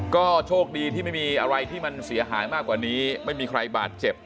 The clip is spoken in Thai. ก็โชคดีที่ไม่มีอะไรที่มันเสียหายมากกว่านี้ไม่มีใครบาดเจ็บ